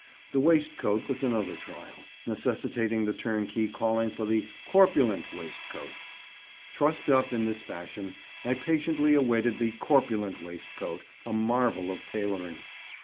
The waistcoat was another trial, necessitating the turnkey calling for the "corpulent waistcoat." Trussed up in this fashion, I patiently awaited the "corpulent" waistcoat, a marvel of tailoring.